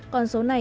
còn số này